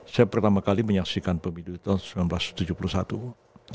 saya pertama kali menyaksikan pemilu tahun seribu sembilan ratus tujuh puluh satu